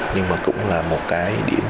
nhưng mà cũng là một cái địa chỉ